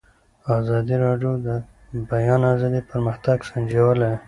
ازادي راډیو د د بیان آزادي پرمختګ سنجولی.